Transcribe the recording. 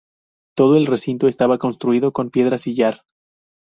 Todo el recinto estaba construido con piedra sillar.